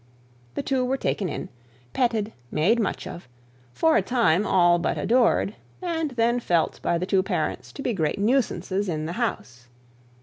The two were taken in, petted, made much of, for a time all but adored, and then felt by the two parents to be great nuisances in the house.